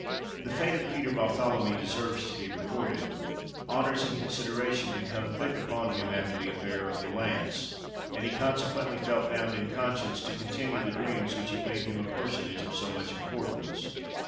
The fate of Peter Barthelemy deserves to be recorded. Honours and consideration had come thick upon him after the affair of the lance, and he consequently felt bound in conscience to continue the dreams which had made him a personage of so much importance.